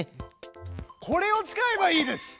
これを使えばいいです！